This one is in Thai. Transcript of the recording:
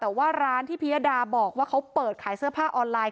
แต่ว่าร้านที่พิยดาบอกว่าเขาเปิดขายเสื้อผ้าออนไลน์